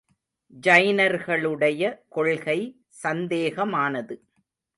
ஜைனர்களுடைய கொள்கை சந்தேகமானது.